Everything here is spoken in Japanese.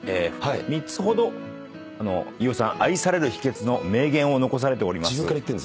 ３つほど飯尾さん愛される秘訣の名言を残されております。